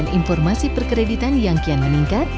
dengan informasi perkreditan yang kian meningkat